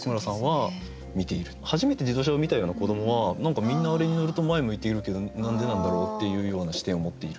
初めて自動車を見たような子どもは何かみんなあれに乗ると前向いているけど何でなんだろうっていうような視点を持っている。